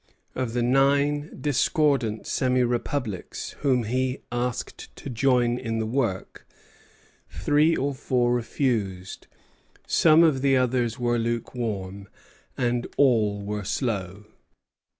Of the nine discordant semi republics whom he asked to join in the work, three or four refused, some of the others were lukewarm, and all were slow.